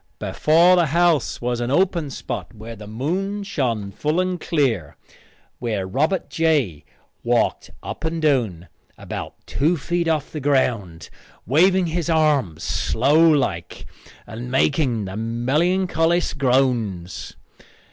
Before the house was an open spot where the moon shone full and clear, where Robert J. walked up and down, about two feet off the ground, waving his arms slow like and making the melancholiest groans.